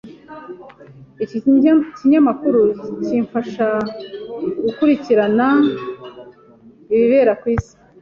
Iki kinyamakuru kimfasha gukurikirana ibibera ku isi.